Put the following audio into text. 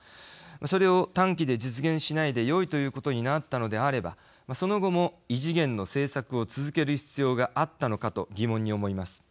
それを短期で実現しないでよいということになったのであればその後も異次元の政策を続ける必要があったのかと疑問に思います。